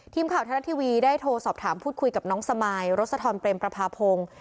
ทีมข่าวไทยรัฐทีวีได้โทรสอบถามพูดคุยกับน้องสมายรสทรเปรมประพาพงศ์